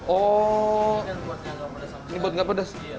oh ini buat enggak pedas